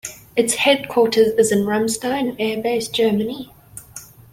Its headquarters is Ramstein Air Base, Germany.